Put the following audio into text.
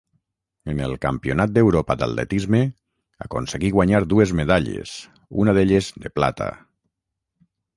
En el Campionat d'Europa d'atletisme aconseguí guanyar dues medalles, una d'elles de plata.